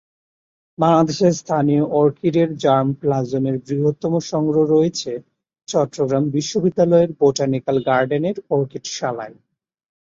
বাংলাদেশের স্থানীয় অর্কিডের জার্মপ্লাজমের বৃহত্তম সংগ্রহ রয়েছে চট্টগ্রাম বিশ্ববিদ্যালয়ের বোটানিক্যাল গার্ডেনের অর্কিডশালায়।